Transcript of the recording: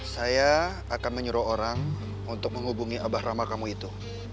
saya akan menyuruh orang untuk menghubungi abah rama kamu itu